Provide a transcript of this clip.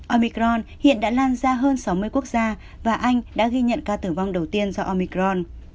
omicron hiện đã lan ra hơn sáu mươi quốc gia và anh đã ghi nhận ca tử vong đầu tiên do omicron